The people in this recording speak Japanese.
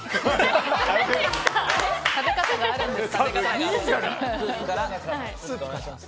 食べ方があるんです。